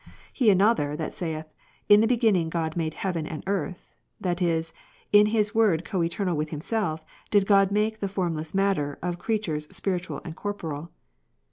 Heanother, that saith,/?« theBeginning God made heaven and earth : that is, "in His Word coeternal with Himself, did God make the formless matter'' of creatures spiritual and corporeal."